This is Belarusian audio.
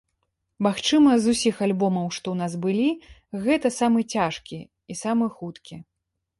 Магчыма, з усіх альбомаў, што ў нас былі, гэта самы цяжкі і самы хуткі.